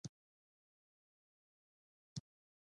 د نګهتونو ښار ته